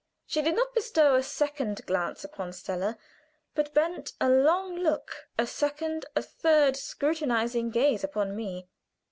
She did not bestow a second glance upon Stella; but bent a long look, a second, a third scrutinizing gaze upon me.